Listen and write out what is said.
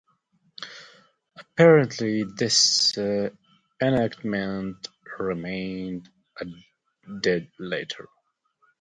Apparently this enactment remained a dead letter.